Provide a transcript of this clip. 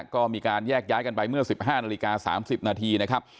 ก็มีการแยกย้ายกันไปเมื่อ๑๕นาฬิกา๓๐นาทีนะครับ